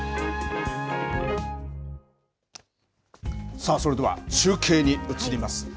さあそれでは、中継に移ります。